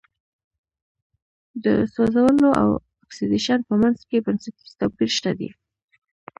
د سوځولو او اکسیدیشن په منځ کې بنسټیز توپیر شته دی.